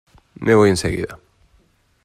Me voy enseguida.